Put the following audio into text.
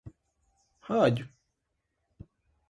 rádio